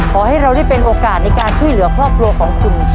ขอให้เราได้เป็นโอกาสในการช่วยเหลือครอบครัวของคุณ